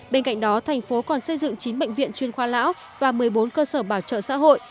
bên cạnh đó thành phố còn xây dựng chín bệnh viện chuyên khoa lão và một mươi bốn cơ sở bảo trợ xã hội